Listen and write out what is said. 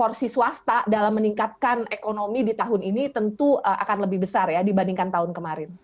porsi swasta dalam meningkatkan ekonomi di tahun ini tentu akan lebih besar ya dibandingkan tahun kemarin